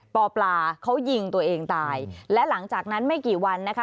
ปลาเขายิงตัวเองตายและหลังจากนั้นไม่กี่วันนะคะ